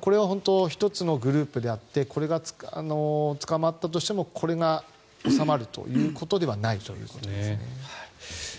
これは１つのグループであってこれが捕まったとしてもこれが収まるということではないということですね。